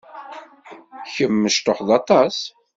Kemm mecṭuḥed aṭas.